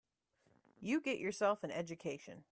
You get yourself an education.